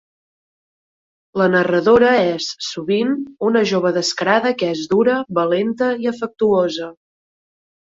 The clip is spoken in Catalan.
La narradora és, sovint, una jove descarada que és dura, valenta i afectuosa.